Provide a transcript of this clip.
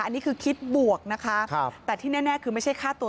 อันนี้คือคิดบวกนะคะแต่ที่แน่คือไม่ใช่ค่าตัว